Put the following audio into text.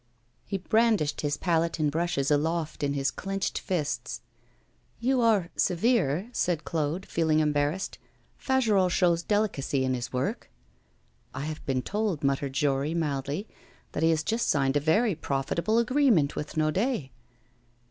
He brandished his palette and brushes aloft, in his clenched fists. 'You are severe,' said Claude, feeling embarrassed. 'Fagerolles shows delicacy in his work.' 'I have been told,' muttered Jory, mildly, 'that he has just signed a very profitable agreement with Naudet.